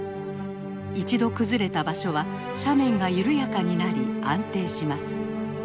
一度崩れた場所は斜面が緩やかになり安定します。